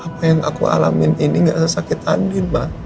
apa yang aku alami ini tidak sesakit andin ma